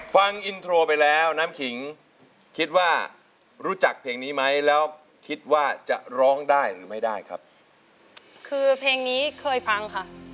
ฟังอินโทรไปแล้วน้ำขิงคิดว่ารู้จักเพลงนี้ไหมแล้วคิดว่าจะร้องได้หรือไม่ได้ครับคือเพลงนี้เคยฟังค่ะ